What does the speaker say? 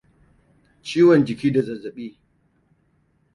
ciwon jiki da zazzabi